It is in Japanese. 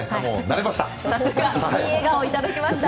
さすが！いい笑顔いただきました。